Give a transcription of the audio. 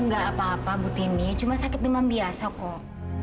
gak apa apa butini cuma sakit demam biasa kok